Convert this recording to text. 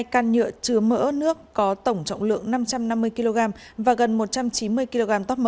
hai can nhựa chứa mỡ nước có tổng trọng lượng năm trăm năm mươi kg và gần một trăm chín mươi kg tóp mỡ